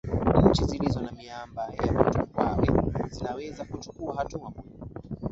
Nchi zilizo na miamba ya matumbawe zinaweza kuchukua hatua muhimu